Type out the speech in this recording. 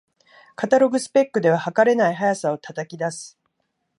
カタログスペックでは、はかれない速さを叩き出す